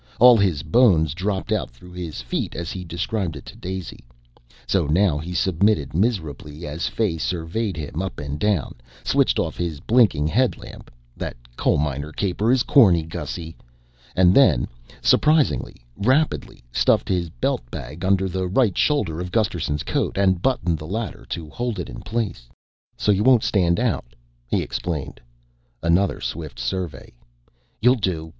All his bones dropped out through his feet, as he described it to Daisy. So now he submitted miserably as Fay surveyed him up and down, switched off his blinking headlamp ("That coalminer caper is corny, Gussy.") and then surprisingly rapidly stuffed his belt bag under the right shoulder of Gusterson's coat and buttoned the latter to hold it in place. "So you won't stand out," he explained. Another swift survey. "You'll do.